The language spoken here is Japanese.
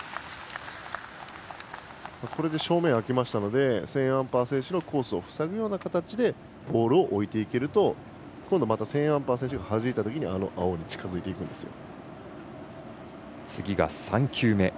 これで正面が空きましたのでセーンアンパー選手のコースを塞ぐような形でボールを置いていけると今度セーンアンパー選手がはじいたときに次が３球目。